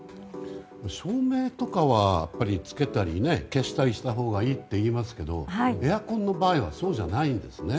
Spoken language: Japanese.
照明とかはつけたり消したりしたほうがいいって言いますけどエアコンの場合はそうじゃないんですね。